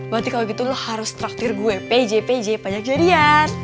berarti kalo gitu lo harus traktir gue pj pj panjang jadian